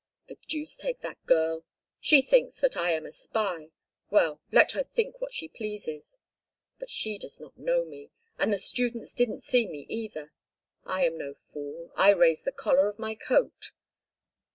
The deuce take that girl. She thinks that I am a spy; well, let her think what she pleases. But she does not know me. And the students didn't see me either. I am no fool—I raised the collar of my coat!"